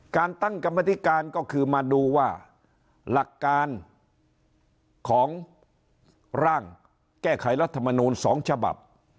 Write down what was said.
การตั้งกรรมธิการก็คือมาดูว่าหลักการของร่างแก้ไขรัฐมนูล๒ฉบับ